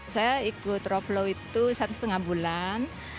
saya ikut rope flow itu satu setengah bulan